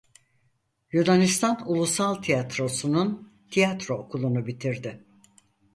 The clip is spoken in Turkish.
Yunanistan Ulusal Tiyatrosu'nun Tiyatro Okulu'nu bitirdi.